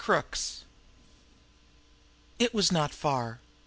CROOKS It was not far.